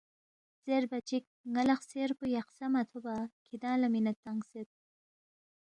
زیربا چِک، ن٘ا لہ خسیر پو یقسا مہ تھوبا کِھدانگ لہ مِنے تنگسید